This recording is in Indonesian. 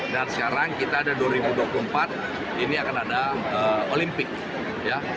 dan sekarang kita ada dua ribu dua puluh empat ini akan ada olimpik ya selesai asian games smp ada tiga atlet kita